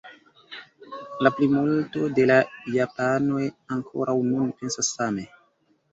La plimulto de la japanoj ankoraŭ nun pensas same.